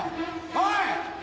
おい！